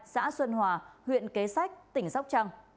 xã xuân hòa huyện kế sách tỉnh sóc trăng